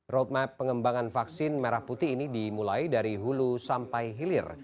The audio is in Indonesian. roadmap pengembangan vaksin merah putih ini dimulai dari hulu sampai hilir